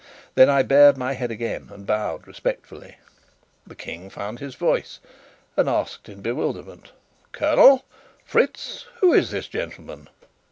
Then I bared my head again and bowed respectfully. The King found his voice, and asked in bewilderment: "Colonel Fritz who is this gentleman?"